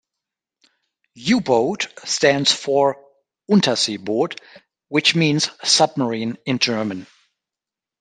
U-boat stands for Unterseeboot, which means submarine in German.